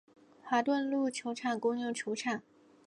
华顿路球场共用球场。